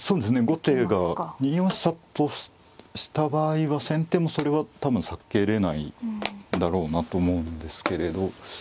後手が２四飛車とした場合は先手もそれは多分避けれないだろうなと思うんですけれど。